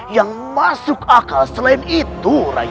yang masuk akal selain itu